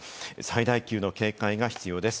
最大級の警戒が必要です。